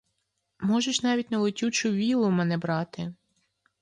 Можеш навіть на летючу віллу мене брати.